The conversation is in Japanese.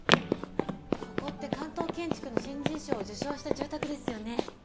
ここって関東建築の新人賞を受賞した住宅ですよね？